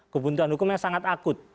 kebuntuan hukum yang sangat akut